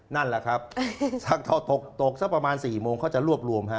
นั่นแหละครับถ้าตกตกสักประมาณ๔โมงเขาจะรวบรวมฮะ